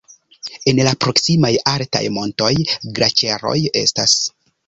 En la proksimaj altaj montoj glaĉeroj estas.